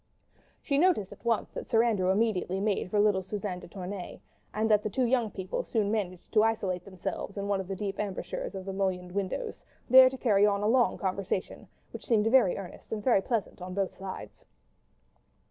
She noticed at once that Sir Andrew immediately made for little Suzanne de Tournay, and that the two young people soon managed to isolate themselves in one of the deep embrasures of the mullioned windows, there to carry on a long conversation, which seemed very earnest and very pleasant on both sides.